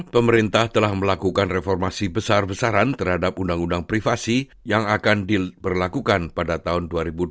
pemerintah telah melakukan reformasi besar besaran terhadap undang undang privasi yang akan diberlakukan pada tahun dua ribu dua puluh